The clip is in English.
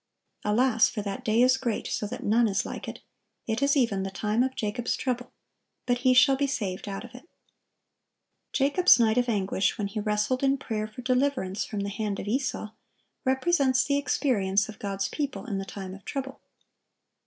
Alas! for that day is great, so that none is like it: it is even the time of Jacob's trouble; but he shall be saved out of it."(1056) Jacob's night of anguish, when he wrestled in prayer for deliverance from the hand of Esau,(1057) represents the experience of God's people in the time of trouble.